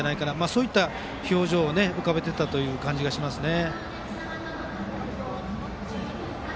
そういった表情を浮かべていた感じがしますね。